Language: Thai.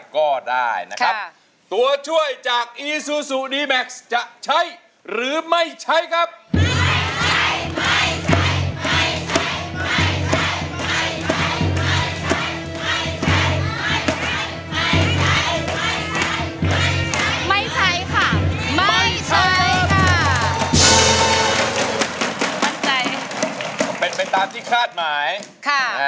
กะว่าไม่มีใครทัก